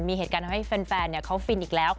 มีเหตุการณ์ทำให้แฟนเขาฟินอีกแล้ว